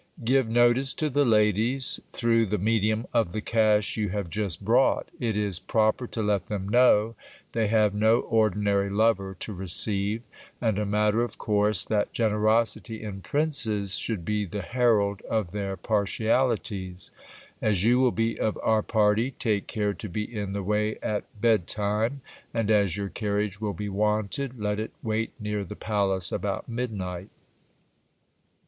Give notice to the ladies, through :he medium of the cash you have just brought ; it is proper to let them know :hey have no ordinary lover to receive ; and a matter of course that generosity n princes should be the herald of their partialities. As you will be of our party, :ake care to be in the way at bed time : and as your carriage will be wanted, et it wait near the palace about midnight.